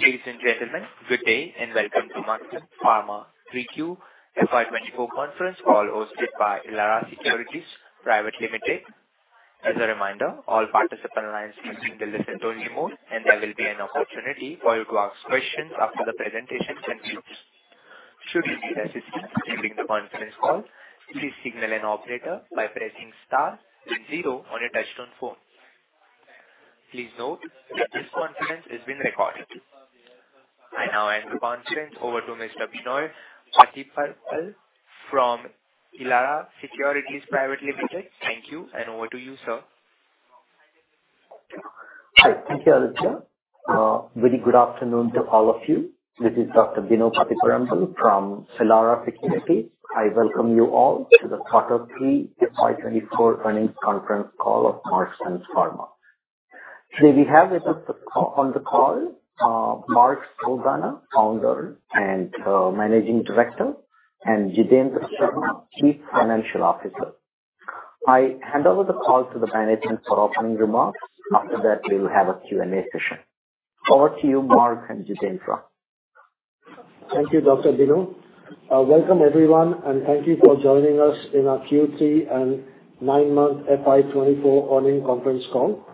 Ladies and gentlemen, good day, and welcome to Marksans Pharma 3Q FY 2024 conference call hosted by Elara Securities Private Limited. As a reminder, all participant lines will be in the listen-only mode, and there will be an opportunity for you to ask questions after the presentation concludes. Should you need assistance during the conference call, please signal an operator by pressing star zero on your touchtone phone. Please note that this conference is being recorded. I now hand the conference over to Mr. Binoy Pathiparampil from Elara Securities Private Limited. Thank you, and over to you, sir. Hi. Thank you, Alisha. Very good afternoon to all of you. This is Dr. Binoy Pathiparampil from Elara Securities. I welcome you all to the quarter three FY 2024 earnings conference call of Marksans Pharma. Today, we have with us on the call, Mark Saldanha, founder and Managing Director, and Jitendra Sharma, Chief Financial Officer. I hand over the call to the management for opening remarks. After that, we will have a Q&A session. Over to you, Mark and Jitendra. Thank you, Dr. Binoy. Welcome, everyone, and thank you for joining us in our Q3 and nine-month FY 2024 earnings conference call.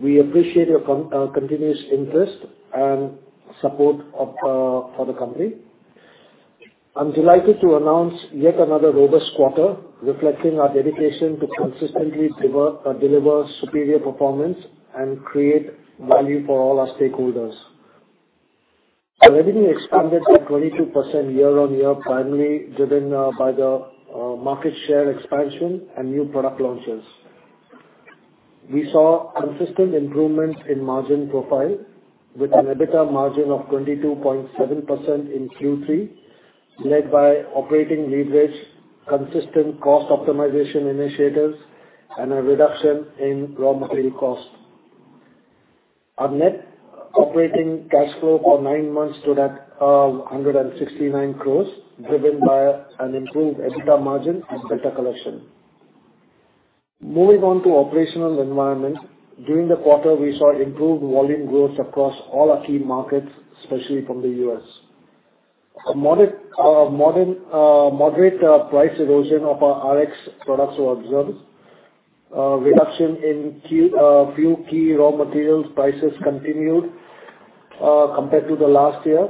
We appreciate your continuous interest and support for the company. I'm delighted to announce yet another robust quarter, reflecting our dedication to consistently deliver superior performance and create value for all our stakeholders. Our revenue expanded by 22% year-on-year, primarily driven by the market share expansion and new product launches. We saw consistent improvements in margin profile with an EBITDA margin of 22.7% in Q3, led by operating leverage, consistent cost optimization initiatives, and a reduction in raw material cost. Our net operating cash flow for nine months stood at 169 crore, driven by an improved EBITDA margin and better collection. Moving on to operational environment. During the quarter, we saw improved volume growth across all our key markets, especially from the US. A moderate price erosion of our Rx products were observed. A reduction in a few key raw materials prices continued compared to the last year,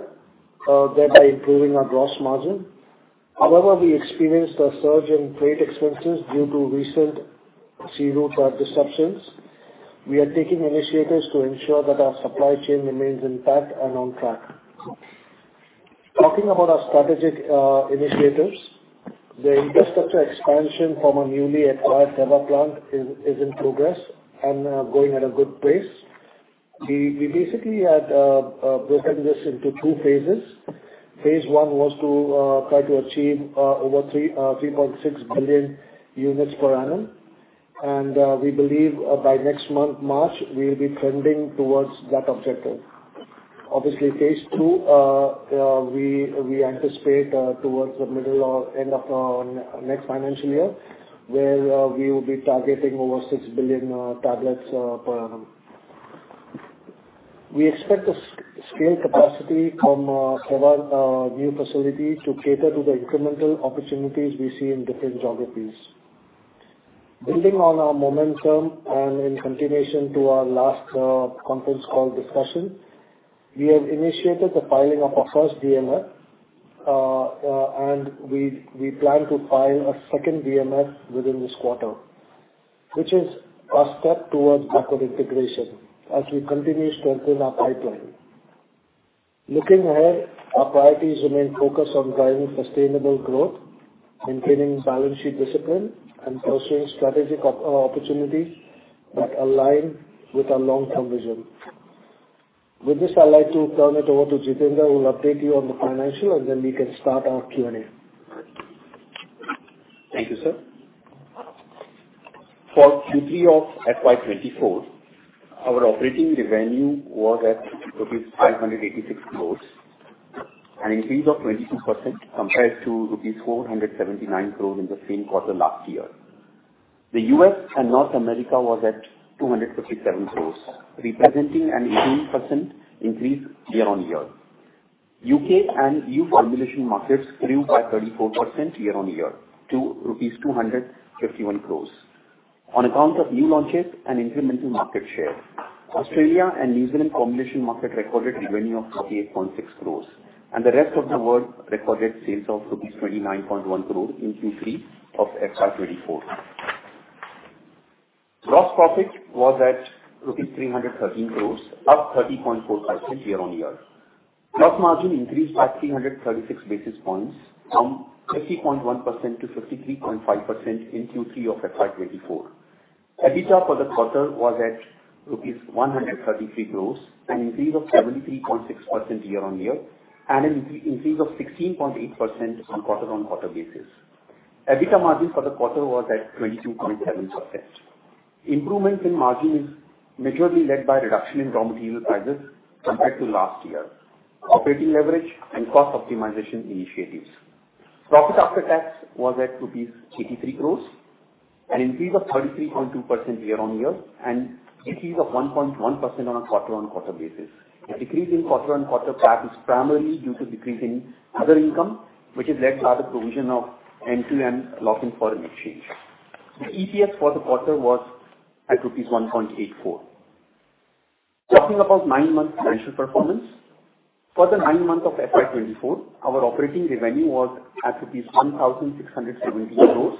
thereby improving our gross margin. However, we experienced a surge in freight expenses due to recent Red Sea disruptions. We are taking initiatives to ensure that our supply chain remains intact and on track. Talking about our strategic initiatives, the infrastructure expansion from our newly acquired Goa plant is in progress and going at a good pace. We basically had broken this into two phases. Phase one was to try to achieve over 3.6 billion units per annum, and we believe by next month, March, we'll be trending towards that objective. Obviously, phase two, we anticipate towards the middle or end of next financial year, where we will be targeting over 6 billion tablets per annum. We expect to scale capacity from our new facility to cater to the incremental opportunities we see in different geographies. Building on our momentum and in continuation to our last conference call discussion, we have initiated the filing of our first DMF, and we plan to file a second DMF within this quarter, which is a step towards backward integration as we continue to strengthen our pipeline. Looking ahead, our priorities remain focused on driving sustainable growth, maintaining balance sheet discipline, and pursuing strategic opportunities that align with our long-term vision. With this, I'd like to turn it over to Jitendra, who will update you on the financial, and then we can start our Q&A. Thank you, sir. For Q3 of FY 2024, our operating revenue was at rupees 586 crores, an increase of 22% compared to rupees 479 crores in the same quarter last year. The U.S. and North America was at 257 crores, representing an 18% increase year-on-year. U.K. and E.U. formulation markets grew by 34% year-on-year to rupees 251 crores on account of new launches and incremental market share. Australia and New Zealand combination market recorded revenue of 48.6 crores, and the rest of the world recorded sales of INR 29.1 crores in Q3 of FY 2024. Gross profit was at rupees 313 crores, up 30.45% year-on-year. Gross margin increased by 336 basis points, from 50.1% to 53.5% in Q3 of FY 2024. EBITDA for the quarter was at rupees 133 crore, an increase of 73.6% year-on-year, and an increase of 16.8% on quarter-on-quarter basis. EBITDA margin for the quarter was at 22.7%. Improvements in margin is majorly led by reduction in raw material prices compared to last year, operating leverage and cost optimization initiatives. Profit after tax was at rupees 83 crore, an increase of 33.2% year-on-year, and a decrease of 1.1% on a quarter-on-quarter basis. A decrease in quarter-on-quarter profit is primarily due to decrease in other income, which has led to other provision of MTM loss in foreign exchange. The EPS for the quarter was at rupees 1.84. Talking about 9-month financial performance. For the 9 months of FY 2024, our operating revenue was at INR 1,678 crore,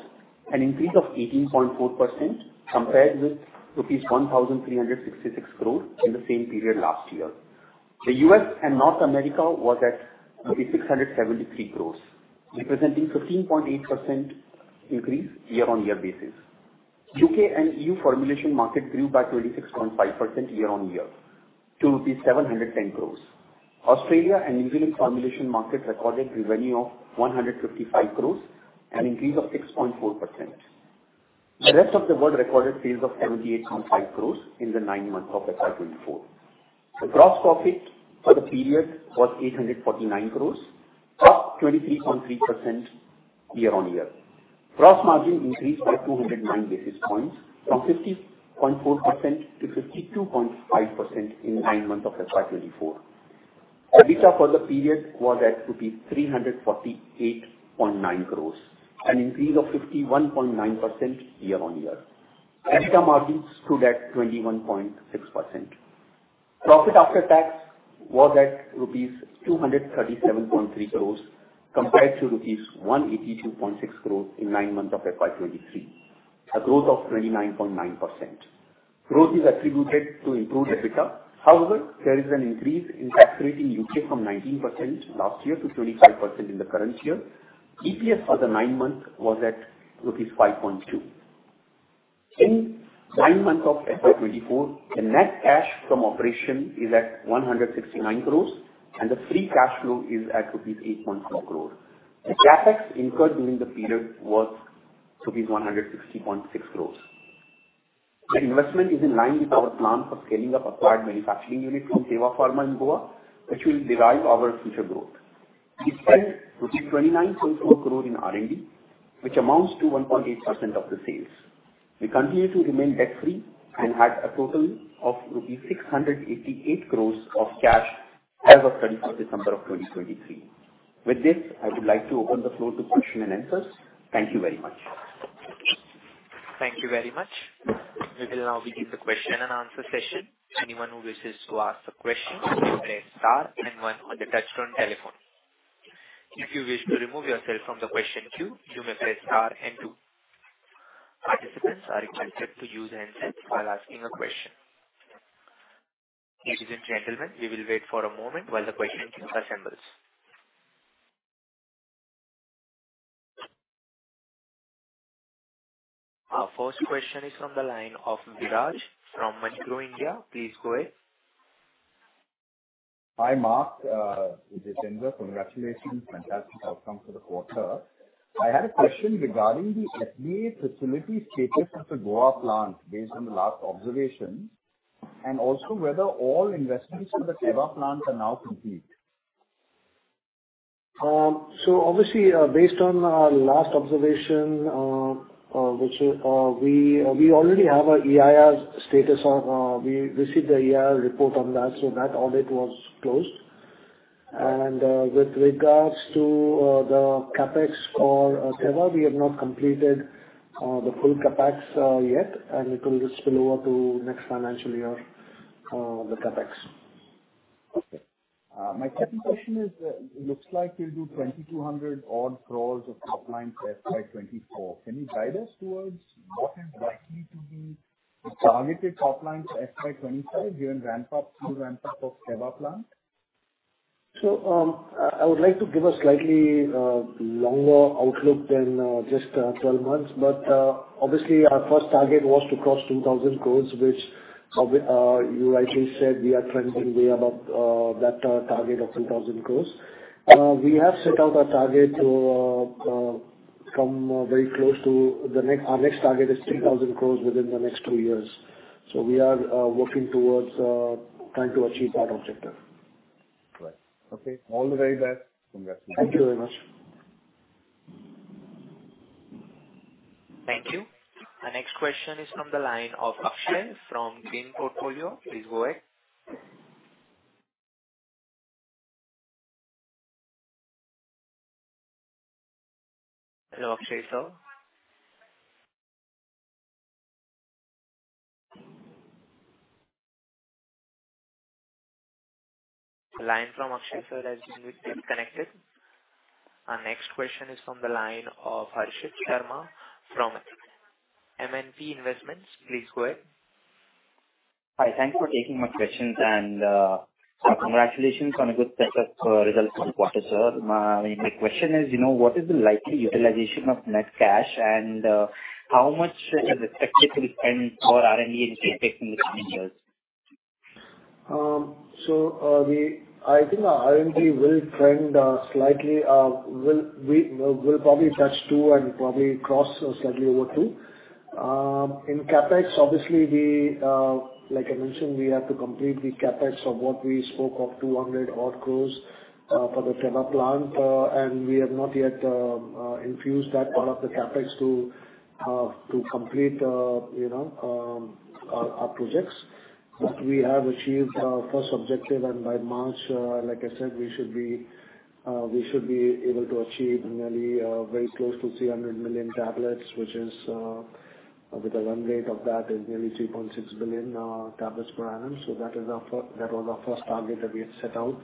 an increase of 18.4% compared with INR 1,366 crore in the same period last year. The U.S. and North America was at INR 673 crore, representing 15.8% increase year-on-year basis. U.K. and E.U. formulation market grew by 26.5% year-on-year to rupees 710 crore. Australia and New Zealand formulation market recorded revenue of 155 crore, an increase of 6.4%. The rest of the world recorded sales of 78.5 crore in the 9 months of FY 2024. The gross profit for the period was 849 crores, up 23.3% year-on-year. Gross margin increased by 209 basis points, from 50.4% to 52.5% in nine months of FY 2024. EBITDA for the period was at INR 348.9 crores, an increase of 51.9% year-on-year. EBITDA margin stood at 21.6%. Profit after tax was at rupees 237.3 crores, compared to rupees 182.6 crores in nine months of FY 2023, a growth of 29.9%. Growth is attributed to improved EBITDA. However, there is an increase in tax rate in UK from 19% last year to 25% in the current year. EPS for the nine months was at rupees 5.2. In nine months of FY 2024, the net cash from operations is at 169 crores, and the free cash flow is at rupees 8.4 crores. The CapEx incurred during the period was rupees 160.6 crores. The investment is in line with our plan for scaling up acquired manufacturing unit from Teva Pharma in Goa, which will drive our future growth. We spent INR 29.4 crore in R&D, which amounts to 1.8% of the sales. We continue to remain debt-free and had a total of rupees 688 crores of cash as of 31 December 2023. With this, I would like to open the floor to questions and answers. Thank you very much. Thank you very much. We will now begin the question and answer session. Anyone who wishes to ask a question, press star and one on the touch-tone telephone. If you wish to remove yourself from the question queue, you may press star and two. Participants are requested to use their headset while asking a question. Ladies and gentlemen, we will wait for a moment while the question queue assembles. Our first question is from the line of Viraj from Monarch Networth Capital. Please go ahead. Hi, Mark, Jitendra. Congratulations. Fantastic outcome for the quarter. I had a question regarding the FDA facility status of the Goa plant based on the last observation, and also whether all investments in the Teva plant are now complete. So obviously, based on our last observation, which is we already have our EIR status on. We received the EIR report on that, so that audit was closed. And with regards to the CapEx for Teva, we have not completed the full CapEx yet, and it will just spill over to next financial year, the CapEx. Okay. My second question is, it looks like you'll do 2,200 odd crores of top line for FY 2024. Can you guide us towards what is likely to be the targeted top line for FY 2025 during ramp up to ramp up of Teva plant? I would like to give a slightly longer outlook than just 12 months. But obviously, our first target was to cross 2,000 crore, which you rightly said, we are trending way above that target of 2,000 crore. We have set out a target to come very close to the next... Our next target is 3,000 crore within the next two years. So we are working towards trying to achieve that objective. Right. Okay. All the very best. Congratulations. Thank you very much. Thank you. Our next question is from the line of Akshay from Green Portfolio. Please go ahead. Hello, Akshay sir. The line from Akshay sir has been disconnected. Our next question is from the line of Harshit Sharma from MNP Investments. Please go ahead. Hi, thank you for taking my questions, and, congratulations on a good set of results for the quarter, sir. My question is, you know, what is the likely utilization of net cash, and how much is expected to be spent for R&D and CapEx in the coming years? So, I think our R&D will trend slightly, we will probably touch two and probably cross slightly over two. In CapEx, obviously, like I mentioned, we have to complete the CapEx of what we spoke of 200 odd crores, for the Teva plant, and we have not yet infused that part of the CapEx to complete, you know, our projects. ... We have achieved our first objective, and by March, like I said, we should be able to achieve nearly very close to 300 million tablets, which is, with the run rate of that is nearly 3.6 billion tablets per annum. So that is our first - that was our first target that we had set out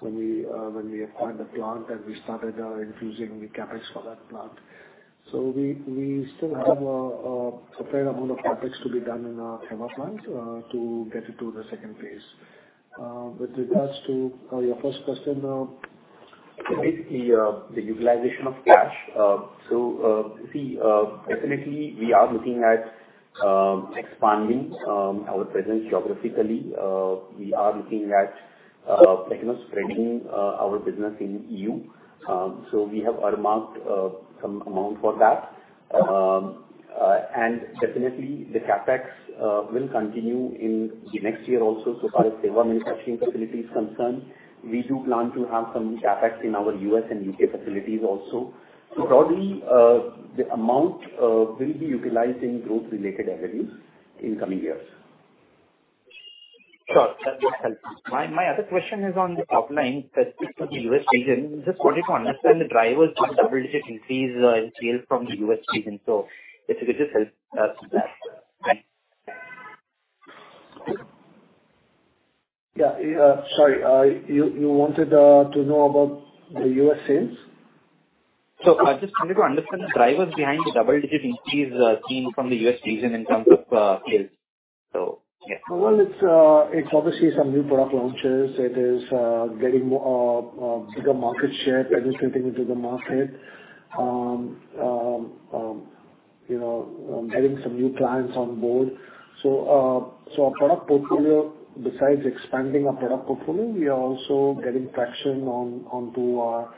when we acquired the plant, and we started infusing the CapEx for that plant. So we still have a fair amount of CapEx to be done in our plant to get it to the second phase. With regards to your first question, The utilization of cash. So, we definitely are looking at expanding our presence geographically. We are looking at, you know, spreading our business in E.U. So we have earmarked some amount for that. And definitely the CapEx will continue in the next year also. So far as manufacturing facility is concerned, we do plan to have some CapEx in our U.S. and U.K. facilities also. So broadly, the amount will be utilized in growth-related avenues in coming years. Sure, that helps. My, my other question is on the top line, specific to the US region. Just wanted to understand the drivers of double-digit increase in sales from the US region. So if you could just help us with that. Thanks. Yeah, sorry, you, you wanted to know about the U.S. sales? So I just wanted to understand the drivers behind the double-digit increase seen from the US region in terms of sales. So yeah. Well, it's, it's obviously some new product launches. It is, getting more, bigger market share, penetrating into the market. You know, getting some new clients on board. So, so our product portfolio, besides expanding our product portfolio, we are also getting traction on, onto our,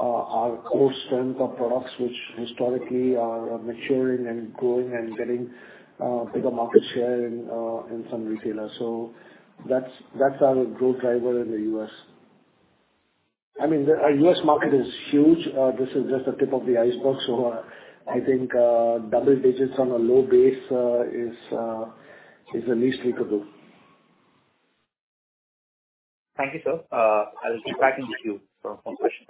our core strength of products, which historically are maturing and growing and getting, bigger market share in, in some retailers. So that's, that's our growth driver in the US. I mean, the, our US market is huge. This is just the tip of the iceberg. So, I think, double digits on a low base, is, is the least we could do. Thank you, sir. I'll get back in the queue for more questions.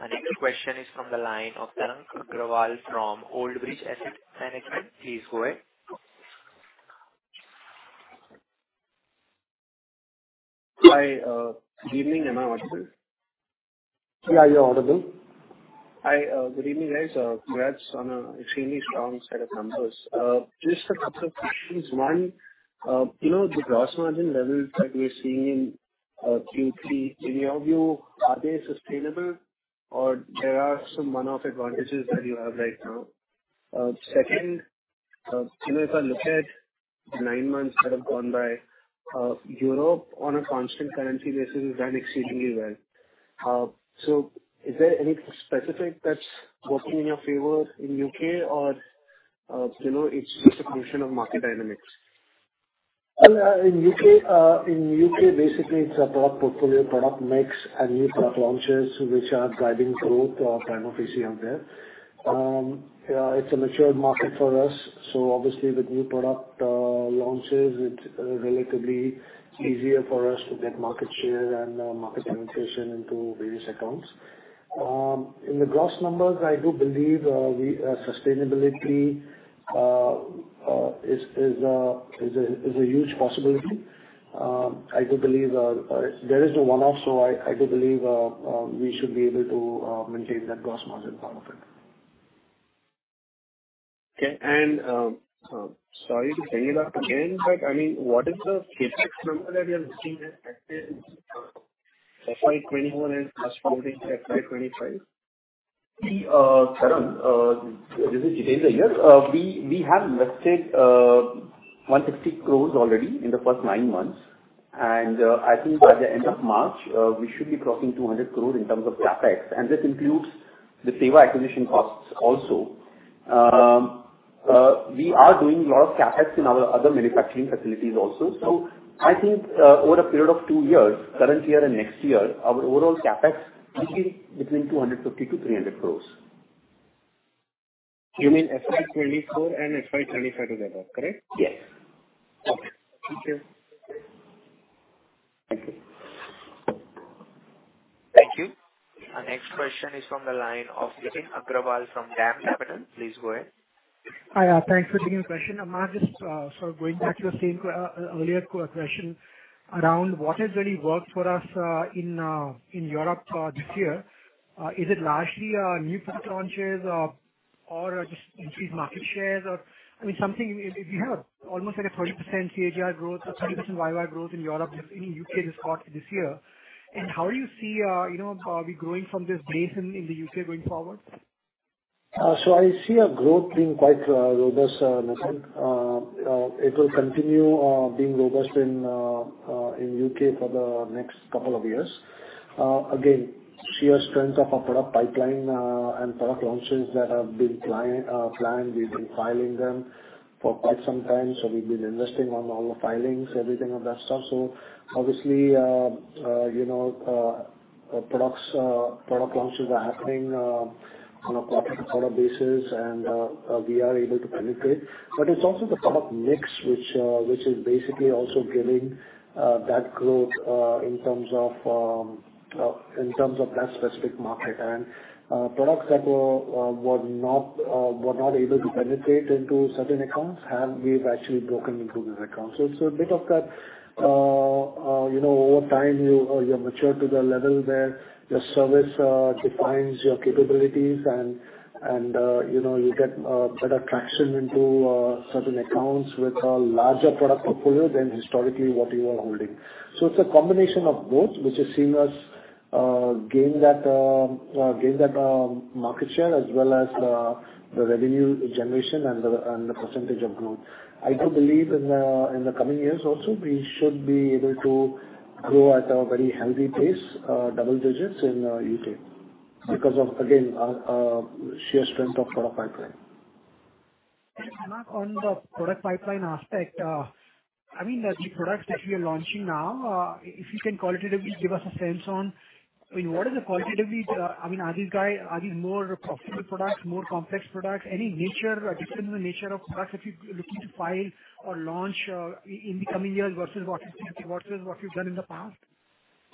Thank you. Our next question is from the line of Tarang Agrawal from Old Bridge Capital Management. Please go ahead. Hi, good evening. Am I audible? Yeah, you're audible. Hi, good evening, guys. Congrats on an extremely strong set of numbers. Just a couple of questions. One, you know, the gross margin levels that we're seeing in Q3, in your view, are they sustainable, or there are some one-off advantages that you have right now? Second, you know, if I look at the nine months that have gone by, Europe on a constant currency basis has done exceedingly well. So is there anything specific that's working in your favor in UK or, you know, it's just a function of market dynamics? Well, in UK, in UK, basically, it's a product portfolio, product mix, and new product launches which are driving growth or TAM of PCM there. It's a mature market for us, so obviously with new product launches, it's relatively easier for us to get market share and market penetration into various accounts. In the gross numbers, I do believe, we sustainability is a huge possibility. I do believe, there is no one-off, so I do believe, we should be able to maintain that gross margin part of it. Okay. Sorry to bring it up again, but, I mean, what is the CapEx number that we are looking at, FY 2021 and FY 2025? Tarun, this is Jitendra here. We have invested 160 crores already in the first nine months, and I think by the end of March, we should be crossing 200 crores in terms of CapEx. This includes the Teva acquisition costs also. We are doing a lot of CapEx in our other manufacturing facilities also. I think, over a period of two years, current year and next year, our overall CapEx will be between 250 crores and 300 crores. You mean FY 24 and FY 25 together, correct? Yes. Okay. Thank you. Thank you. Thank you. Our next question is from the line of Nitin Agrawal from DAM Capital. Please go ahead. Hi, thanks for taking the question. I might just sort of going back to the same earlier question around what has really worked for us in Europe this year. Is it largely new product launches or just increased market shares or... I mean, something if you have almost like a 30% CAGR growth or 30% YY growth in Europe, in UK, this quarter, this year, and how do you see you know we growing from this base in the UK going forward? So I see our growth being quite robust, Nitin. It will continue being robust in UK for the next couple of years. Again, sheer strength of our product pipeline and product launches that have been client planned. We've been filing them for quite some time, so we've been investing on all the filings, everything of that sort. So obviously, you know, product launches are happening on a quarter-to-quarter basis, and we are able to penetrate. But it's also the product mix, which is basically also giving that growth in terms of that specific market. And products that were not able to penetrate into certain accounts, we've actually broken into those accounts. So it's a bit of that, you know, over time, you, you mature to the level where your service, defines your capabilities and, and, you know, you get, better traction into, certain accounts with a larger product portfolio than historically what you were holding. So it's a combination of both, which has seen us, gain that, gain that, market share, as well as, the revenue generation and the, and the percentage of growth. I do believe in the, in the coming years also, we should be able to grow at a very healthy pace, double digits in, UK, because of, again, our, sheer strength of product pipeline. And Mark, on the product pipeline aspect, I mean, the products that you're launching now, if you can qualitatively give us a sense on, I mean, what is the qualitatively? I mean, are these more profitable products, more complex products? Any nature, difference in the nature of products that you're looking to file or launch, in the coming years versus what you've done in the past?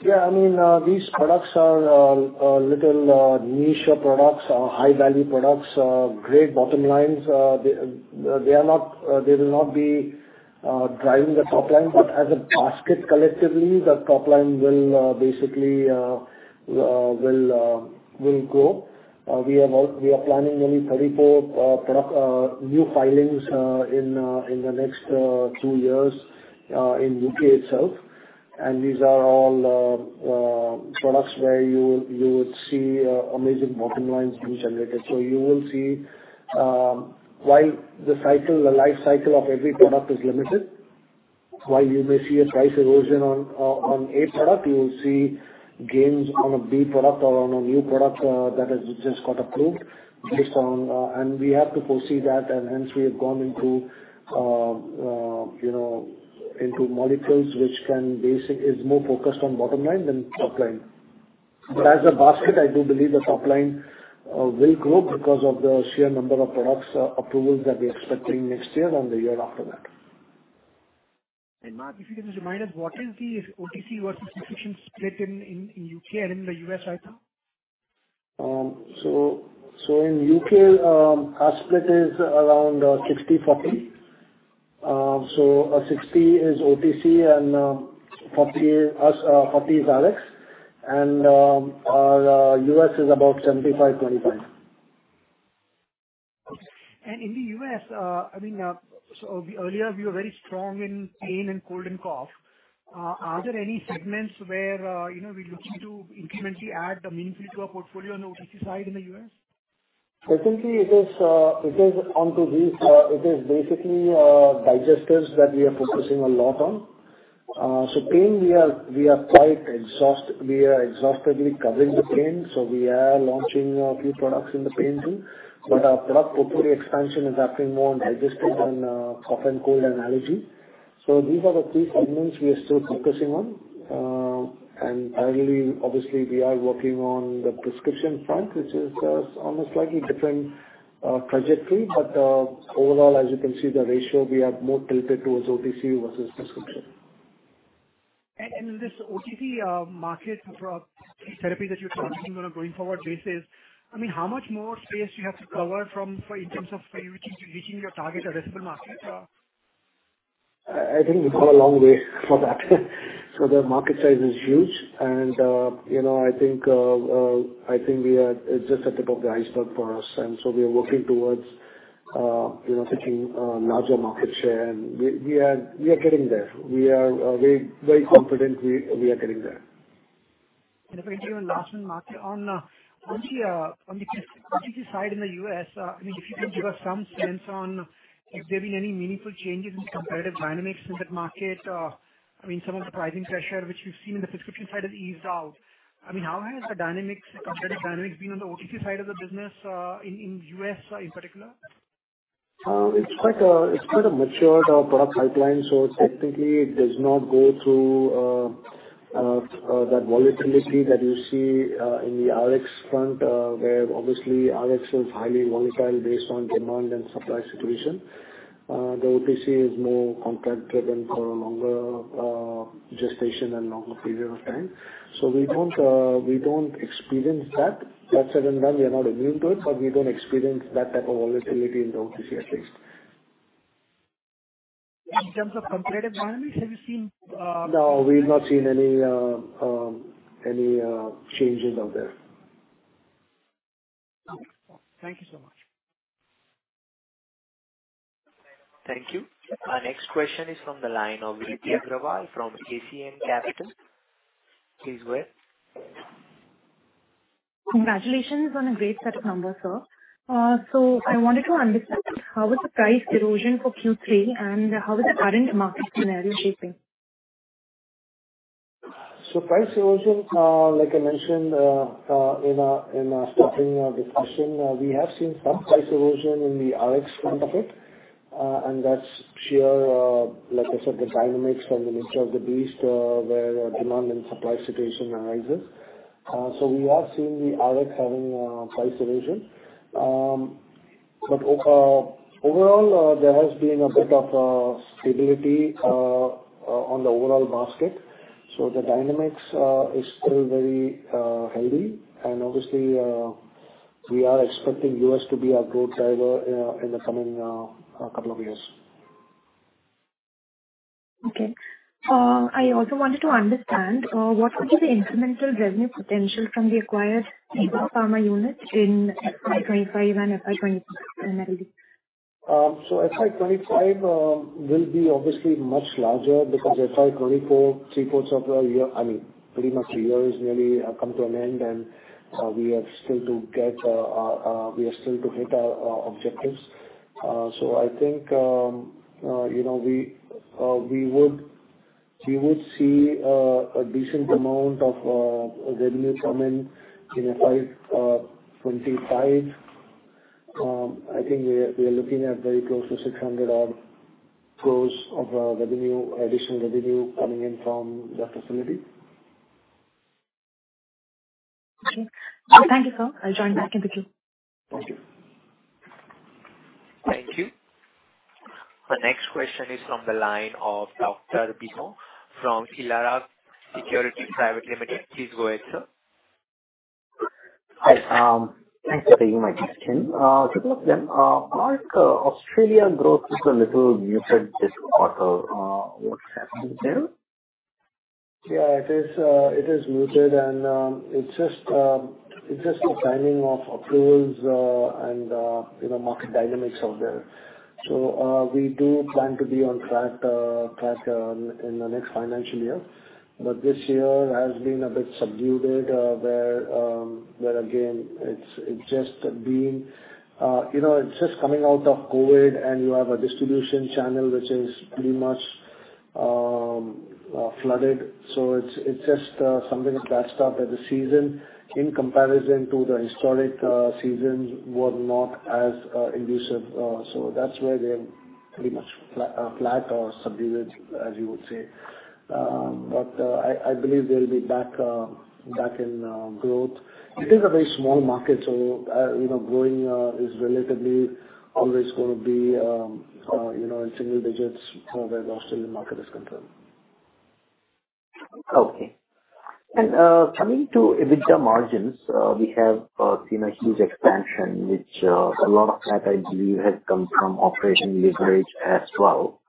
Yeah, I mean, these products are a little niche products, high-value products, great bottom lines. They are not, they will not be driving the top line, but as a basket collectively, the top line will basically grow. We have also. We are planning nearly 34 product new filings in the next two years in UK itself. And these are all products where you would see amazing bottom lines being generated. So you will see, while the cycle, the life cycle of every product is limited, while you may see a price erosion on A product, you will see gains on a B product or on a new product that has just got approved, based on. We have to foresee that, and hence we have gone into, you know, into molecules, which is more focused on bottom line than top line. But as a basket, I do believe the top line will grow because of the sheer number of products approvals that we are expecting next year and the year after that. Mark, if you could just remind us, what is the OTC versus prescription split in UK and in the US right now? So in U.K., our split is around 60/40. So, 60 is OTC and 40 is Rx. And our U.S. is about 75/25. Okay. And in the U.S., I mean, so earlier you were very strong in pain and cold and cough. Are there any segments where, you know, we're looking to incrementally add a meaningful to our portfolio on the OTC side in the U.S.? Recently, it is basically digestives that we are focusing a lot on. So pain, we are quite exhaustively covering the pain, so we are launching a few products in the pain too. But our product portfolio expansion is happening more on digestive and cough and cold and allergy. So these are the three segments we are still focusing on. And finally, obviously, we are working on the prescription front, which is on a slightly different trajectory. But overall, as you can see, the ratio, we are more tilted towards OTC versus prescription. And in this OTC market for therapy that you're targeting on a going-forward basis, I mean, how much more space you have to cover from, for in terms of reaching your target addressable market? I think we've got a long way for that. So the market size is huge, and you know, I think we are just at the top of the iceberg for us, and so we are working towards you know, taking larger market share. And we are getting there. We very confidently are getting there. I'm going to do a last one, Mark. On the prescription side in the U.S., I mean, if you can give us some sense on if there have been any meaningful changes in competitive dynamics in that market. I mean, some of the pricing pressure, which we've seen in the prescription side, has eased out. I mean, how has the dynamics, competitive dynamics, been on the OTC side of the business, in the U.S., in particular? It's quite, it's quite a matured product pipeline, so technically it does not go through that volatility that you see in the Rx front, where obviously Rx is highly volatile based on demand and supply situation. The OTC is more contract-driven for a longer gestation and longer period of time. So we don't, we don't experience that. That said and done, we are not immune to it, but we don't experience that type of volatility in the OTC at least. In terms of competitive dynamics, have you seen? No, we've not seen any changes out there. Okay. Thank you so much. Thank you. Our next question is from the line of Vipin Aggarwal from KCN Capital. Please go ahead. Congratulations on a great set of numbers, sir. I wanted to understand, how was the price erosion for Q3, and how is the current market scenario shaping?... So price erosion, like I mentioned, in our starting our discussion, we have seen some price erosion in the Rx front of it. And that's sheer, like I said, the dynamics from the nature of the beast, where demand and supply situation arises. So we have seen the Rx having price erosion. But overall, there has been a bit of stability on the overall basket. So the dynamics is still very healthy, and obviously, we are expecting US to be our growth driver in the coming couple of years. Okay. I also wanted to understand what would be the incremental revenue potential from the acquired Teva Pharma unit in FY 25 and FY 26, maybe? So FY 2025 will be obviously much larger, because FY 2024, three-quarters of the year, I mean, pretty much the year is nearly come to an end, and we have still to get, we are still to hit our objectives. So I think, you know, we would, we would see a decent amount of revenue come in in FY 2025. I think we are, we are looking at very close to 600-odd crores of revenue, additional revenue coming in from that facility. Okay. Thank you, sir. I'll join back in the queue. Thank you. Thank you. The next question is from the line of Binoy Pathiparampil from Elara Securities (India) Private Limited. Please go ahead, sir. Hi. Thanks for taking my question. Couple of them. Mark, Australia growth is a little muted this quarter, what's happening there? Yeah, it is muted, and it's just the timing of approvals and, you know, market dynamics out there. So we do plan to be on track in the next financial year. But this year has been a bit subdued, where again, it's just been... You know, it's just coming out of COVID, and you have a distribution channel which is pretty much flooded. So it's just something that started at the season in comparison to the historic seasons were not as elusive. So that's why they are pretty much flat or subdued, as you would say. But I believe they'll be back in growth. It is a very small market, so, you know, growing is relatively always going to be, you know, in single digits, where Australian market is concerned. Okay. And, coming to EBITDA margins, we have seen a huge expansion, which, a lot of that, I believe, has come from operational leverage as well.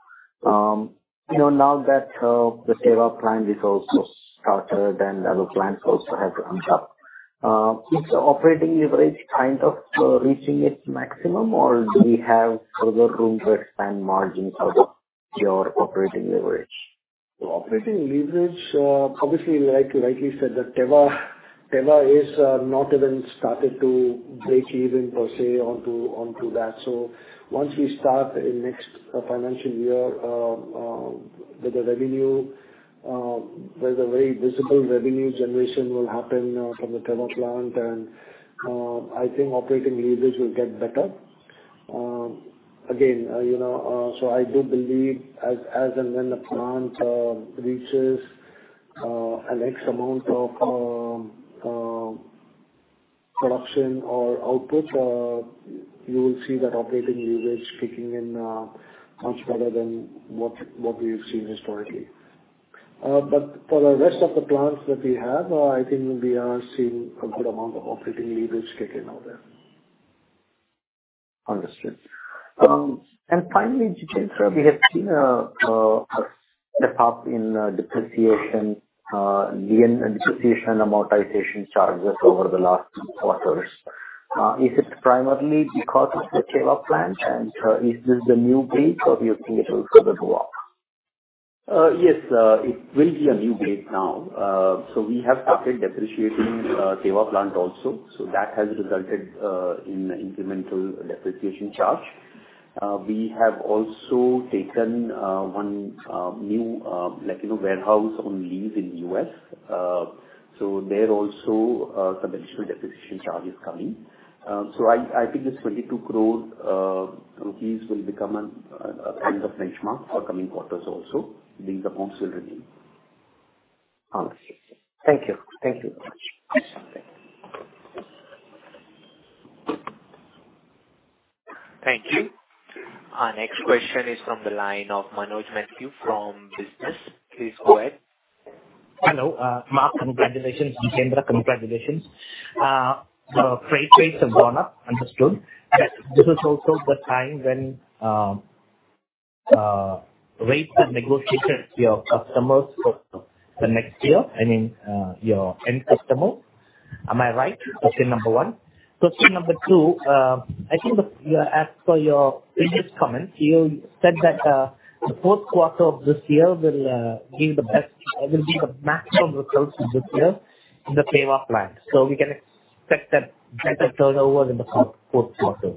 You know, now that, the Teva plant is also started and other plants also have ramped up, is the operating leverage kind of, reaching its maximum, or do we have further room to expand margins out of your operating leverage? So operating leverage, obviously, like, like you said, that Teva Teva is not even started to break even per se onto, onto that. So once we start in next financial year with the revenue, there's a very visible revenue generation will happen from the Teva plant, and I think operating leverage will get better. Again, you know, so I do believe as, as and when the plant reaches an X amount of production or output, you will see that operating leverage kicking in much better than what, what we've seen historically. But for the rest of the plants that we have, I think we are seeing a good amount of operating leverage kick in out there. Understood. And finally, Jitendra, we have seen a pop in depreciation and amortization charges over the last two quarters. Is it primarily because of the Teva plant, and is this the new base, or do you think it will further go up? Yes, it will be a new base now. So we have started depreciating Teva plant also, so that has resulted in incremental depreciation charge. We have also taken one new, like, you know, warehouse on lease in the U.S. So there also some additional depreciation charge is coming. So I think this 22 crore rupees will become a kind of benchmark for coming quarters also, being the bonds will remain. Understood. Thank you. Thank you. Thank you. Our next question is from the line of Manoj Mathew from ANZ Business. Please go ahead. Hello. Mark, congratulations. Jitendra, congratulations. The freight rates have gone up, understood. This is also the time when rates are negotiated with your customers for the next year, I mean, your end customer. Am I right? Question number one. Question number two, I think, as per your previous comments, you said that, the fourth quarter of this year will be the best, will be the maximum results of this year in the Teva plant. So we can expect that better turnover in the fourth, fourth quarter.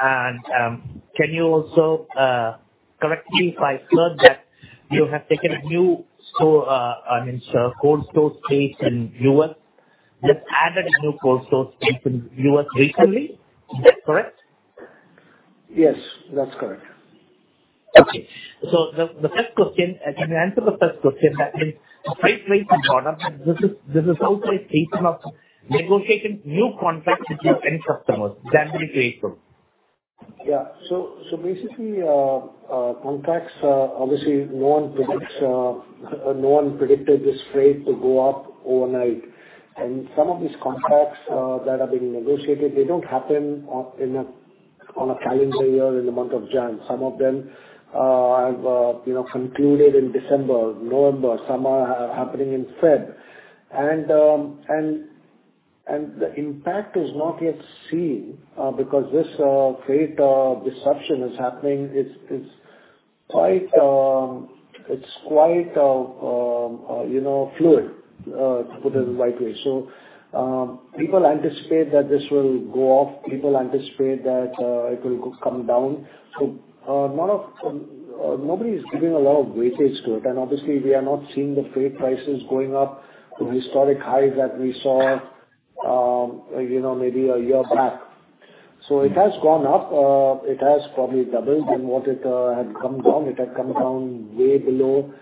Can you also correct me if I heard that you have taken a new store, I mean, cold store space in U.S. You've added a new cold store space in U.S. recently. Is that correct? Yes, that's correct. Okay. So the first question, can you answer the first question? That means the freight rates and product, this is outright case of negotiating new contracts with your end customers. That will be helpful. Yeah. So basically, contracts obviously no one predicts, no one predicted this freight to go up overnight. And some of these contracts that are being negotiated, they don't happen on a calendar year in the month of January. Some of them have you know concluded in December, November, some are happening in February. And the impact is not yet seen because this freight disruption is happening. It's quite you know fluid to put it the right way. So people anticipate that this will go off. People anticipate that it will come down. So none of... Nobody is giving a lot of weightage to it, and obviously, we are not seeing the freight prices going up to historic highs that we saw, you know, maybe a year back. So it has gone up. It has probably doubled than what it had come down. It had come down way below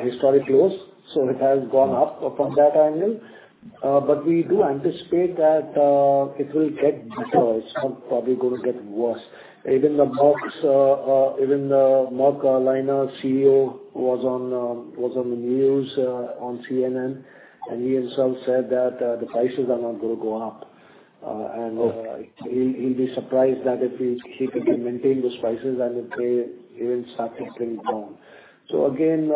historic lows, so it has gone up from that angle. But we do anticipate that it will get better. It's not probably going to get worse. Even the Maersk Line CEO was on the news on CNN, and he himself said that the prices are not gonna go up. And, Okay. - he, he'd be surprised that if he's, he could maintain those prices and if they even start to bring down. So again,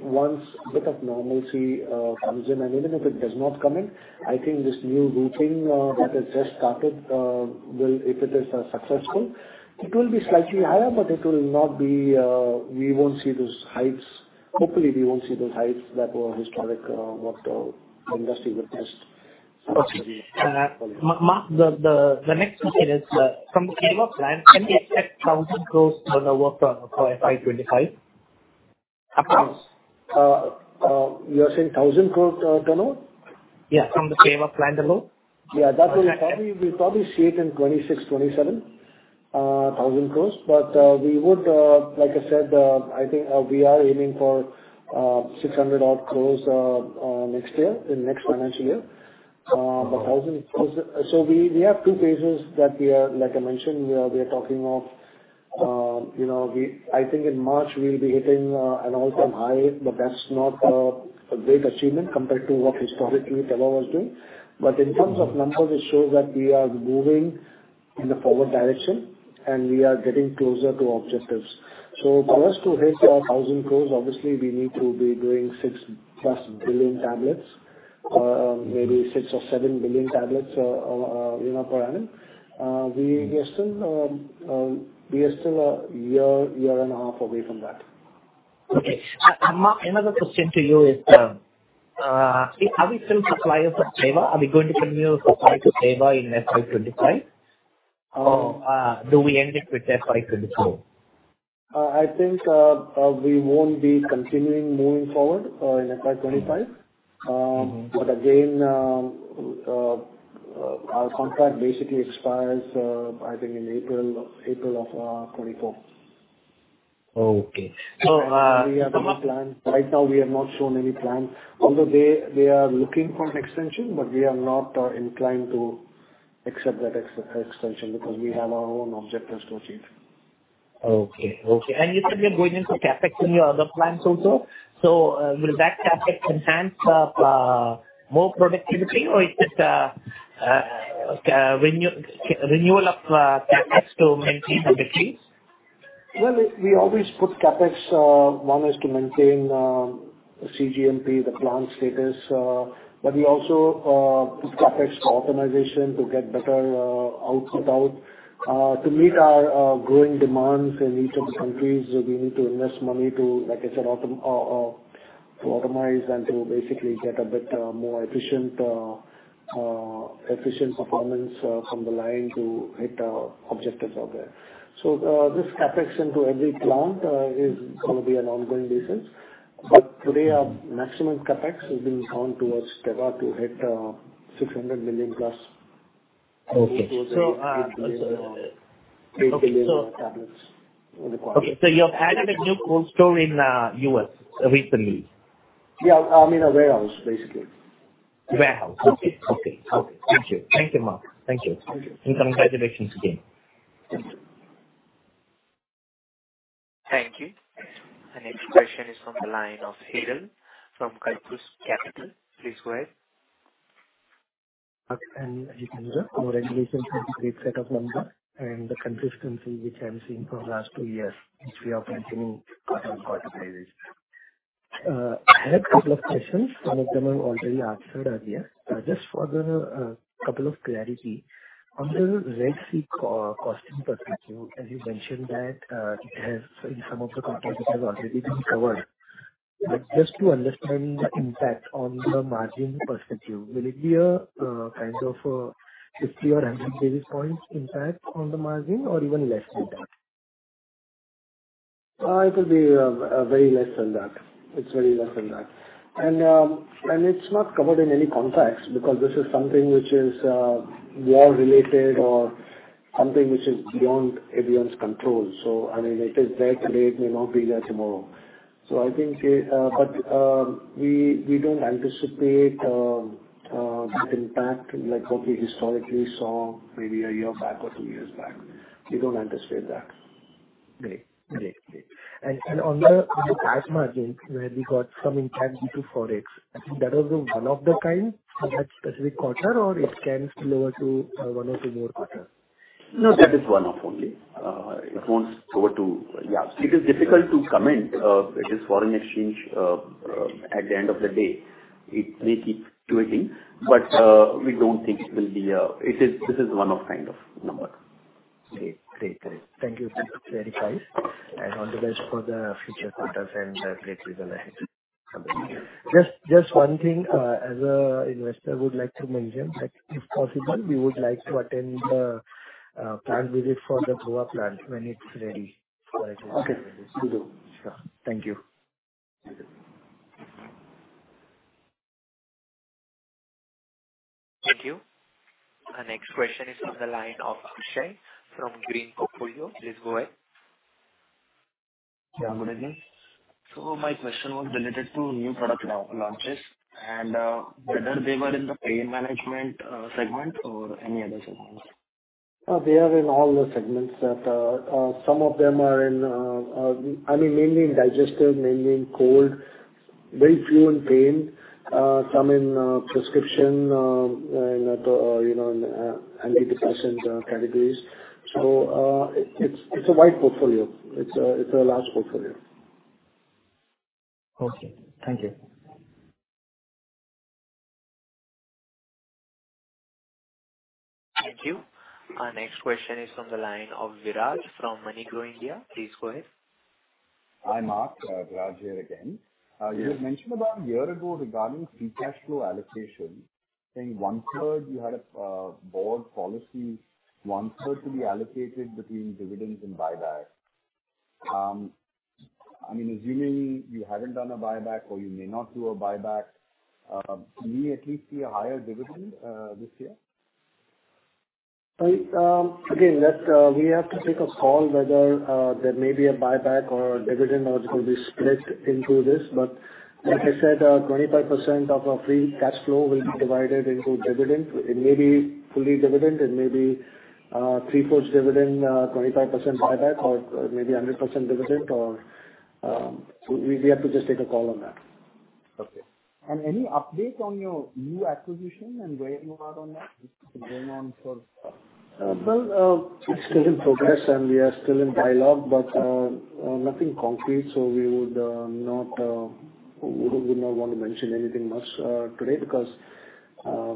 once a bit of normalcy comes in, and even if it does not come in, I think this new routing that has just started will... If it is successful, it will be slightly higher, but it will not be, we won't see those heights. Hopefully, we won't see those heights that were historic what industry witnessed. Okay. Mark, the next question is, from Teva plant, can we expect INR 1,000 crore turnover for FY 2025? You are saying 1,000 crore turnover? Yeah, from the Teva plant alone. Yeah, that will probably, we'll probably see it in 26-27 thousand crores. But, we would, like I said, I think, we are aiming for, 600 odd crores, next year, in next financial year. But thousand, so we, we have two phases that we are, like I mentioned, we are, we are talking of, you know, we-- I think in March we'll be hitting, an all-time high, but that's not, a great achievement compared to what historically Teva was doing. But in terms of numbers, it shows that we are moving in a forward direction, and we are getting closer to objectives. So for us to hit our 1,000 crores, obviously, we need to be doing 6+ billion tablets, maybe 6 or 7 billion tablets, you know, per annum. We are still a year and a half away from that. Okay. Mark, another question to you is, are we still suppliers for Teva? Are we going to continue to supply to Teva in FY 25, or do we end it with FY 24? I think we won't be continuing moving forward in FY 2025. Mm-hmm. But again, our contract basically expires, I think in April of 2024. Oh, okay. So, Mark- We have no plan. Right now, we have not shown any plan. Although they are looking for an extension, but we are not inclined to accept that extension because we have our own objectives to achieve. Okay, okay. And you said you're going into CapEx in your other plants also. So, will that CapEx enhance more productivity or is it renewal of CapEx to maintain the bits? Well, we always put CapEx, one is to maintain the CGMP, the plant status, but we also put CapEx for optimization to get better output out. To meet our growing demands in each of the countries, we need to invest money to, like I said, to automize and to basically get a bit more efficient performance from the line to hit our objectives out there. So, this CapEx into every plant is gonna be an ongoing basis. Okay. But today our maximum CapEx is being counted towards Teva to hit 600 million plus. Okay. 8 billion tablets in the... Okay, so you've added a new cold store in U.S. recently? Yeah, in a warehouse, basically. Warehouse. Okay. Okay. Okay. Thank you. Thank you, Mark. Thank you. Thank you. Congratulations again. Thank you. Thank you. The next question is from the line of Hiten, from Kairos Capital. Please go ahead. Congratulations on the great set of numbers and the consistency which I'm seeing from the last two years, which we are continuing our quarter prices. I had a couple of questions. Some of them have already answered earlier. Just for the couple of clarity, on the Red Sea cost perspective, as you mentioned, that it has, in some of the companies, it has already been covered. But just to understand the impact on the margin perspective, will it be a kind of a 50 or 100 basis points impact on the margin or even less than that? It will be very less than that. It's very less than that. And it's not covered in any contracts because this is something which is war related or something which is beyond everyone's control. So, I mean, it is there today, it may not be there tomorrow. So I think, but we don't anticipate the impact like what we historically saw maybe a year back or two years back. We don't anticipate that. Great. Great, great. And on the cash margin, where we got some impact due to Forex, I think that was one of the kind for that specific quarter, or it can spill over to one or two more quarters? No, that is one-off only. It won't spill over to... Yeah, it is difficult to comment. It is foreign exchange, at the end of the day, it may keep doing, but, we don't think it will be... It is, this is one-off kind of number. Great. Great, great. Thank you, sir, for the clarifications and all the best for the future quarters and great results ahead. Thank you. Just one thing, as an investor, I would like to mention that if possible, we would like to attend the plant visit for the Goa plant when it's ready. Okay. Will do. Sure. Thank you. Thank you. Our next question is on the line of Akshay from Green Portfolio. Please go ahead. Yeah, good evening. So my question was related to new product launches and whether they were in the pain management segment or any other segments? They are in all the segments that some of them are in. I mean, mainly in digestive, mainly in cold, very few in pain, some in prescription, and you know, in antidepressant categories. So, it's a wide portfolio. It's a large portfolio. Okay. Thank you. Thank you. Our next question is on the line of Viraj from Monarch India. Please go ahead. Hi, Mark. Viraj here again. Yes. You had mentioned about a year ago regarding free cash flow allocation. I think one-third you had a board policy, one-third to be allocated between dividends and buyback. I mean, assuming you haven't done a buyback or you may not do a buyback, can we at least see a higher dividend this year? Right. Again, we have to take a call whether there may be a buyback or a dividend, or it will be split into this. But like I said, 25% of our free cash flow will be divided into dividend. It may be fully dividend, it may be three-fourths dividend, 25% buyback, or maybe a 100% dividend or, so we, we have to just take a call on that. Okay. Any update on your new acquisition and where you are on that going forward? Well, it's still in progress and we are still in dialogue, but nothing concrete, so we would not want to mention anything much today because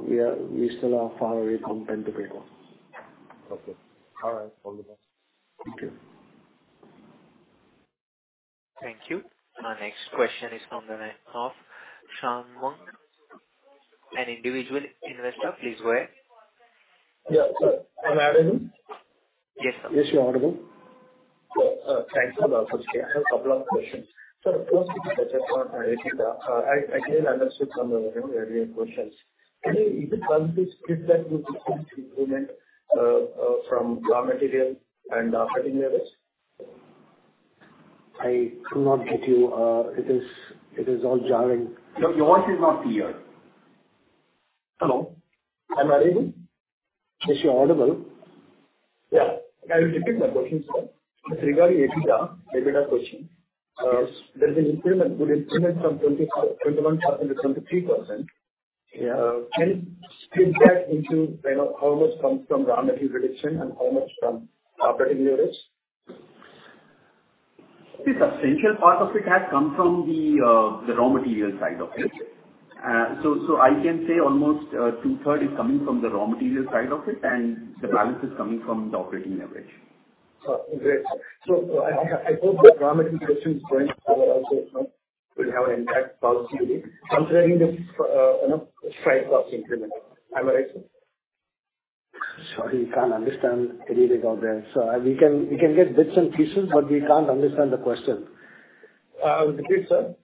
we still are far away from pen to paper. Okay. All right. All the best. Thank you. Thank you. Our next question is from the line of Shanmug, an individual investor. Please go ahead. Yeah, sir. I'm adding in? Yes, sir. Yes, you're audible. So, thanks for the opportunity. I have a couple of questions. So first, just on EBITDA, I clearly understood from the earlier questions. Can you even split that with the improvement from raw material and operating levels? I could not get you. It is, it is all jarring. Your, your voice is not clear. Hello, Am I audible? Yes, you're audible. Yeah, I will repeat my question, sir. It's regarding EBITDA, EBITDA question. Yes. There's an improvement, good improvement from 21% to 23%. Yeah. Can you split that into, you know, how much come from raw material reduction and how much from operating leverage? The substantial part of it has come from the, the raw material side of it. Okay. So, I can say almost two-thirds is coming from the raw material side of it, and the balance is coming from the operating leverage. Oh, great. So I hope the raw material question is going also will have an impact positively considering this, you know, 5+ increment. Am I right, sir? Sorry, can't understand anything out there. So we can, we can get bits and pieces, but we can't understand the question. Okay, sir.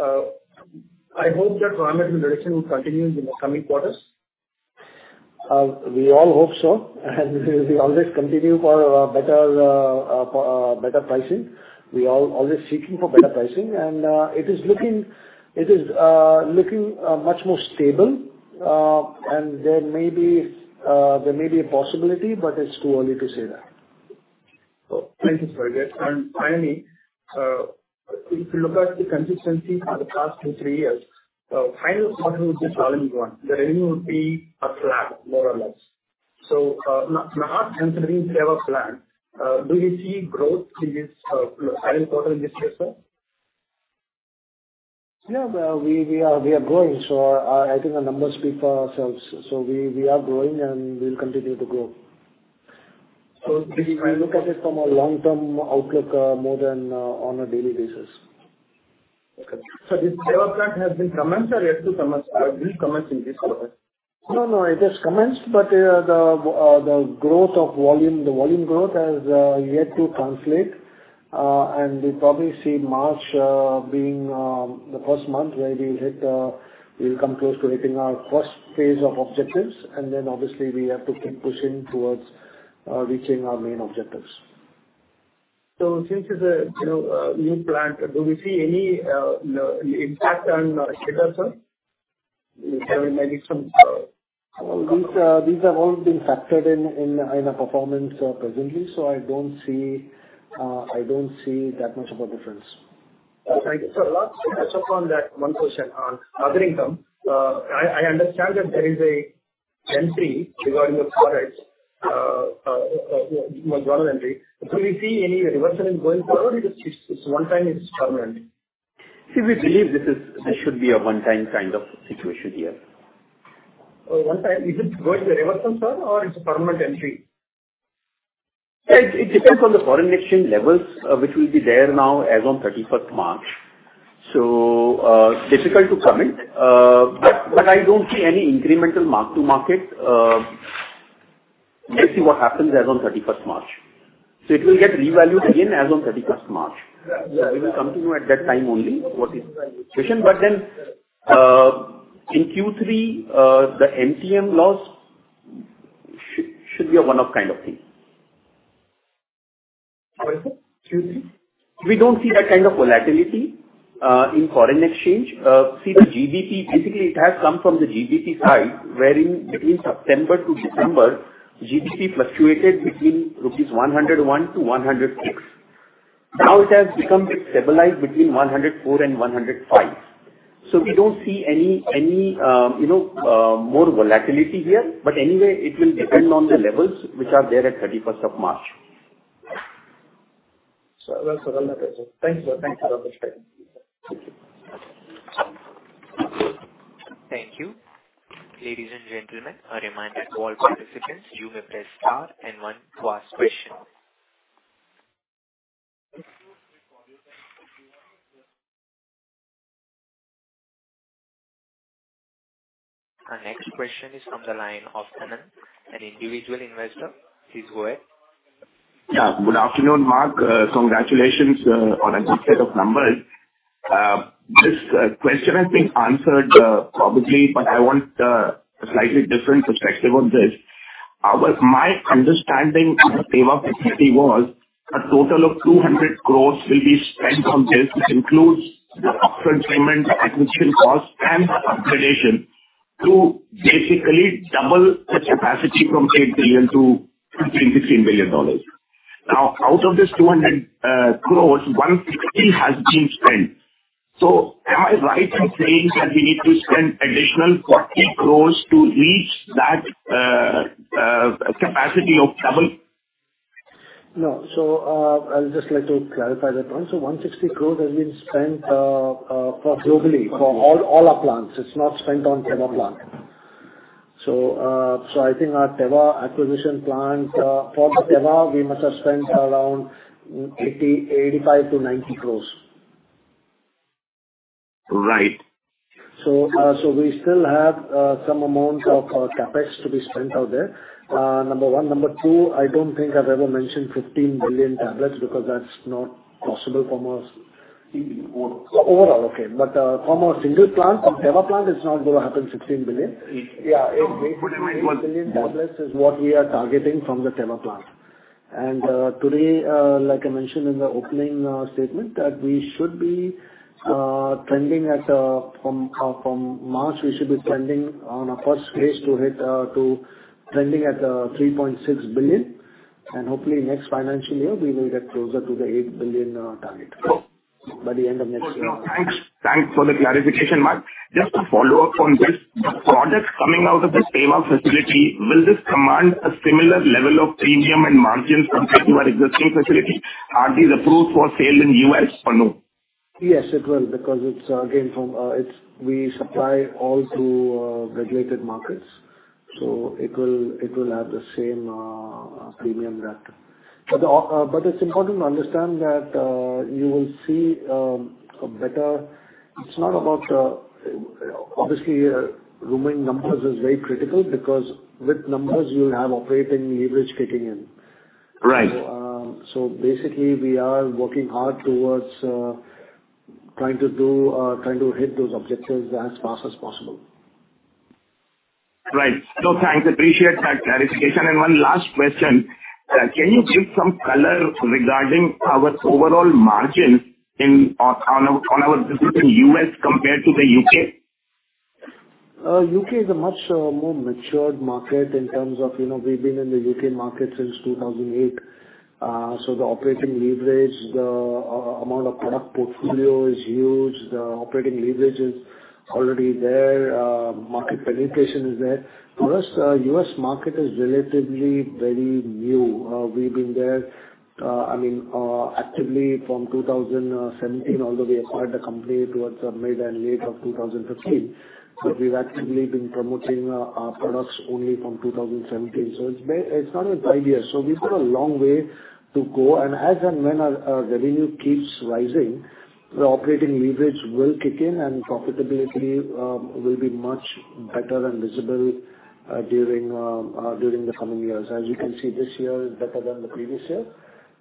I hope that raw material reduction will continue in the coming quarters. We all hope so, and we always continue for better pricing. We all always seeking for better pricing, and it is looking much more stable. There may be a possibility, but it's too early to say that. Oh, thank you for that. And finally, if you look at the consistency for the past two, three years, final quarter will be volume one. The revenue will be a flat, more or less. So, not considering you have a plan, do you see growth in this final quarter in this year, sir? Yeah, well, we are growing. So I think the numbers speak for ourselves. So we are growing and we'll continue to grow.... So we look at it from a long-term outlook, more than on a daily basis. Okay. So this plant has been commenced or yet to commence, or will commence in this quarter? No, no, it has commenced, but the growth of volume, the volume growth has yet to translate. And we'll probably see March being the first month where we'll hit, we'll come close to hitting our first phase of objectives, and then obviously we have to keep pushing towards reaching our main objectives. So since it's a, you know, a new plant, do we see any impact on schedules, sir? Having maybe some, These have all been factored in a performance presently, so I don't see that much of a difference. Thank you. Sir, last, to touch upon that one question on other income. I understand that there is an entry regarding the products, one entry. Do we see any reversal in going forward, or it's one time, it's permanent? See, we believe this is, this should be a one-time kind of situation here. One time, is it going to reverse, sir, or it's a permanent entry? It depends on the foreign exchange levels, which will be there now as on thirty-first March. So, difficult to comment. But, but I don't see any incremental mark-to-market, let's see what happens as on thirty-first March. So it will get revalued again as on thirty-first March. Right. So we will come to you at that time only, what is the situation. But then, in Q3, the MTM loss should be a one-off kind of thing. How is it? Q3. We don't see that kind of volatility in foreign exchange. See, the GBP, basically, it has come from the GBP side, wherein between September to December, GBP fluctuated between rupees 101 to 106. Now it has become bit stabilized between 104 and 105. So we don't see any you know more volatility here. But anyway, it will depend on the levels which are there at March 31. Well, sir. Thank you, sir. Thank you for your time. Thank you. Ladies and gentlemen, a reminder to all participants, you may press star and one to ask question. Our next question is from the line of Kannan, an individual investor. Please go ahead. Yeah. Good afternoon, Mark. Congratulations on a good set of numbers. This question has been answered probably, but I want a slightly different perspective on this. But my understanding on the Teva facility was a total of 200 crore will be spent on this, which includes the up-front payment, acquisition costs, and the upgradation to basically double the capacity from $8 billion-$15 billion. Now, out of this 200 crore, 160 crore has been spent. So am I right in saying that we need to spend additional 40 crore to reach that capacity of double? No. So, I'll just like to clarify that point. So 160 crores has been spent for globally, for all our plants. It's not spent on Teva plant. So, so I think our Teva acquisition plant, for the Teva, we must have spent around 80, 85-90 crores. Right. So, we still have some amount of CapEx to be spent out there, number one. Number two, I don't think I've ever mentioned 15 billion tablets, because that's not possible from a- Overall. Overall, okay. But, from a single plant, from Teva plant, it's not going to happen 16 billion. Yeah. 8 billion tablets is what we are targeting from the Teva plant. And, today, like I mentioned in the opening, statement, that we should be, trending at, from, from March, we should be trending on a first phase to hit, to trending at, 3.6 billion. And hopefully, next financial year, we will get closer to the 8 billion, target. Cool. By the end of next year. Thanks. Thanks for the clarification, Mark. Just a follow-up on this. The products coming out of this Teva facility, will this command a similar level of premium and margins compared to our existing facility? Are these approved for sale in U.S. or no? Yes, it will, because it's, again, from, it's. We supply all through regulated markets, so it will, it will have the same premium draft. But it's important to understand that you will see a better... It's not about, obviously, growing numbers is very critical because with numbers, you'll have operating leverage kicking in. Right. Basically, we are working hard towards trying to hit those objectives as fast as possible. Right. So thanks, I appreciate that clarification. And one last question, can you give some color regarding our overall margins in, on, on our distribution in U.S. compared to the U.K.? U.K. is a much more matured market in terms of, you know, we've been in the U.K. market since 2008. So the operating leverage, amount of product portfolio is huge. The operating leverage is already there. Market penetration is there. For us, the U.S. market is relatively very new. We've been there, I mean, actively from 2017, although we acquired the company towards the mid and late of 2015. But we've actively been promoting our products only from 2017, so it's not even five years. So we've got a long way to go, and as and when our revenue keeps rising, the operating leverage will kick in, and profitability will be much better and visible during during the coming years. As you can see, this year is better than the previous year,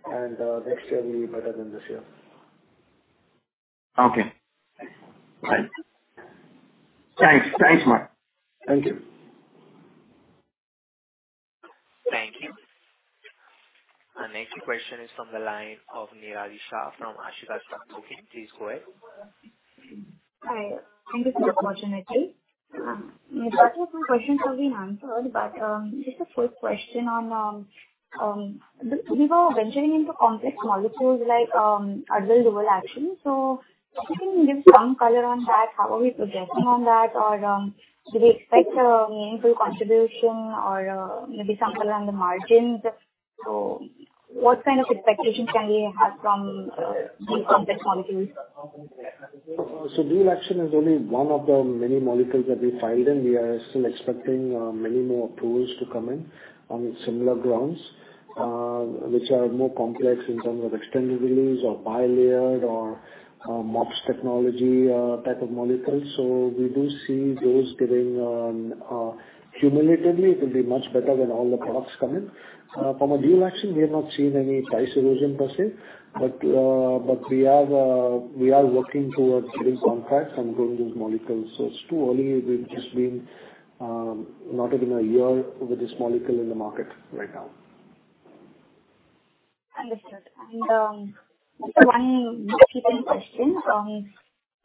and next year will be better than this year. Okay. Right. Thanks. Thanks a lot. Thank you. Thank you. Our next question is from the line of Nirali Shah from Ashika Stock Broking. Please go ahead. Hi, thank you for the opportunity. Most of my questions have been answered, but just a quick question on we were venturing into complex molecules like Advil Dual Action. So if you can give some color on that, how are we progressing on that? Or do we expect a meaningful contribution or maybe some color on the margins? So what kind of expectations can we have from these complex molecules? So dual action is only one of the many molecules that we filed, and we are still expecting many more approvals to come in on similar grounds, which are more complex in terms of extended release or bilayered or MUPS technology type of molecules. So we do see those giving cumulatively, it will be much better when all the products come in. From a dual action, we have not seen any price erosion per se, but but we are we are working towards getting contracts and growing these molecules. So it's too early. We've just been not even a year with this molecule in the market right now. Understood. One more question.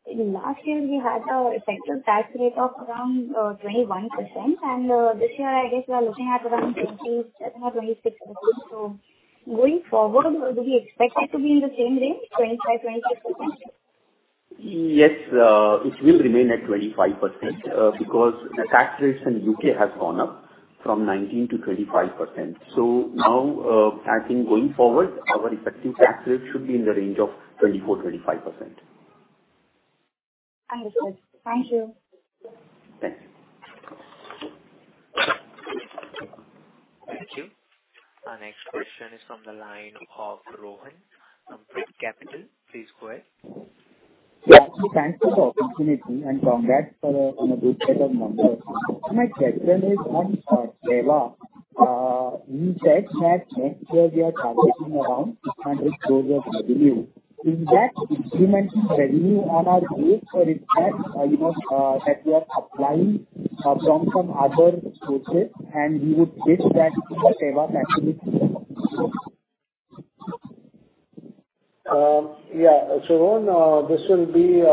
In last year, we had our effective tax rate of around 21%, and this year, I guess we are looking at around 20%-26%. Going forward, do we expect it to be in the same range, 25%-26%? Yes, it will remain at 25%, because the tax rates in U.K. has gone up from 19%-25%. So now, I think going forward, our effective tax rate should be in the range of 24%-25%. Understood. Thank you. Thanks. Thank you. Our next question is from the line of Rohan from Bridge Capital. Please go ahead. Yeah. Thanks for the opportunity and congrats for, on a good set of numbers. My question is on Teva. You said that next year we are targeting around 600 crore of revenue. Is that incremental revenue on our growth or is that, you know, that we are supplying from some other sources, and we would get that Teva capacity? Yeah, so this will be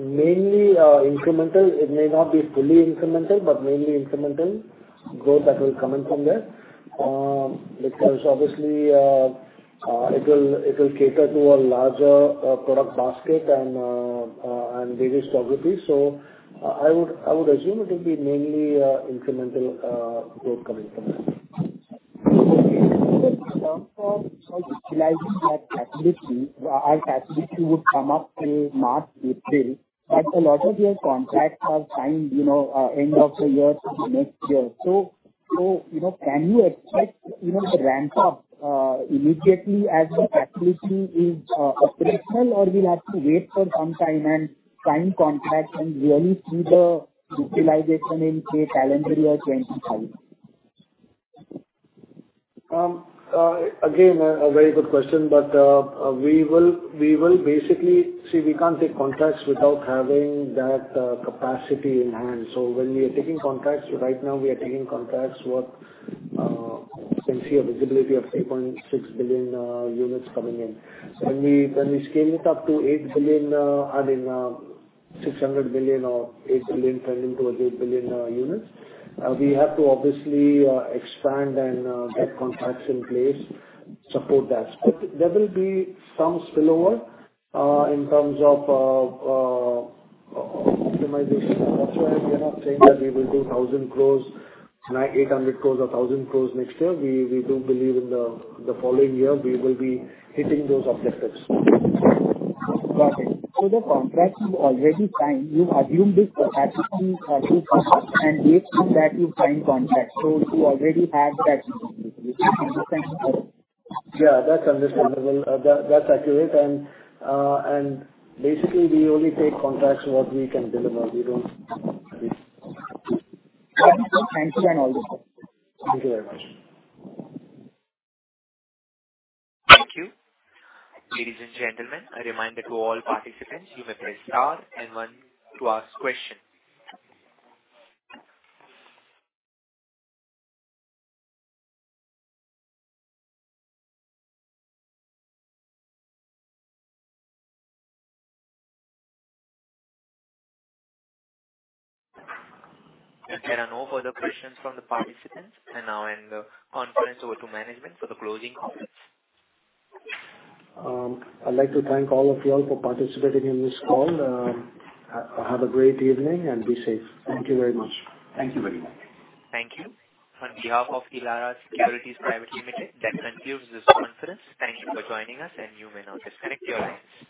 mainly incremental. It may not be fully incremental, but mainly incremental growth that will come in from there. Because obviously, it'll cater to a larger product basket and various geographies. So I would assume it will be mainly incremental growth coming from there. In terms of utilizing that capacity, our capacity would come up till March, April, but a lot of your contracts are signed, you know, end of the year to next year. So, you know, can we expect, you know, the ramp up immediately as the capacity is operational, or we'll have to wait for some time and sign contracts and really see the utilization in, say, calendar year 2025? Again, a very good question, but we will, we will basically. See, we can't take contracts without having that capacity in hand. So when we are taking contracts, right now we are taking contracts what you can see a visibility of 8.6 billion units coming in. So when we, when we scale it up to 8 billion, I mean, 600 million or 8 billion, trending towards 8 billion units, we have to obviously expand and get contracts in place, support that. But there will be some spillover in terms of optimization. That's why we are not saying that we will do 1,000 crore, 900, 800 crore or 1,000 crore next year. We, we do believe in the, the following year we will be hitting those objectives. Got it. So the contracts you already signed, you've assumed this capacity to come up and based on that, you sign contracts. So you already have that capacity, which is understandable. Yeah, that's understandable. That, that's accurate. And basically, we only take contracts what we can deliver. We don't, we- Thank you and all the best. Thank you very much. Thank you. Ladies and gentlemen, I remind that to all participants, you may press Star and One to ask question. There are no further questions from the participants, and now I hand the conference over to management for the closing comments. I'd like to thank all of you all for participating in this call. Have a great evening and be safe. Thank you very much. Thank you very much. Thank you. On behalf of Elara Securities Private Limited, that concludes this conference. Thank you for joining us, and you may now disconnect your lines.